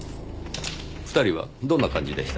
２人はどんな感じでした？